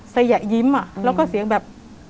ยะยิ้มแล้วก็เสียงแบบ